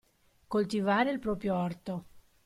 Coltivare il proprio orto.